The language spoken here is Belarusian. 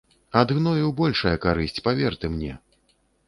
Ад гною большая карысць, павер ты мне.